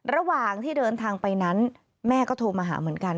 ระหว่างที่เดินทางไปนั้นแม่ก็โทรมาหาเหมือนกัน